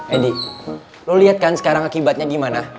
edi lo lihat kan sekarang akibatnya gimana